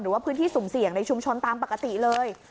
หรือว่าพื้นที่สุ่มเสี่ยงในชุมชนตามปกติเลย